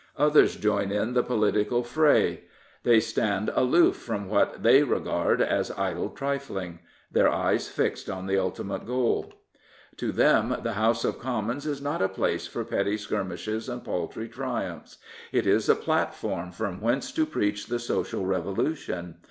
Others join in the political fray; they stand aloof from what they regard as idle trifling : their eyes fixed on the ultimate goal. To them the House of Commons is not a place for petty skirmishes and paltry triumphs. It is a platform from whence to preach the Social Revolution.